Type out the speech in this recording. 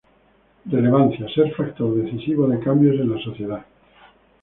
Relevancia: ser factor decisivo de cambios en la sociedad.